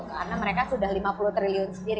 karena mereka sudah lima puluh triliun sendiri